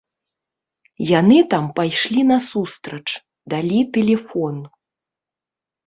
Яны там пайшлі насустрач, далі тэлефон.